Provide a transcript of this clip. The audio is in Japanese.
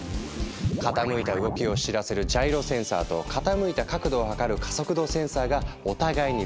傾いた動きを知らせるジャイロセンサーと傾いた角度を測る加速度センサーがお互いにフォローし合う。